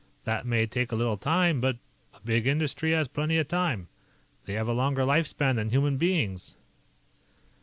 That may take a little time, but a big industry has plenty of time. They have a longer life span than human beings."